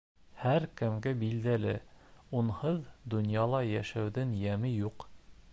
Һәр кемгә билдәле, унһыҙ донъяла йәшәүҙең йәме юҡ.